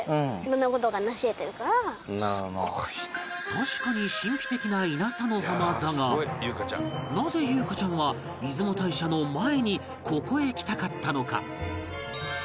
確かに神秘的な稲佐の浜だがなぜ裕加ちゃんは出雲大社の前にここへ来たかったのか？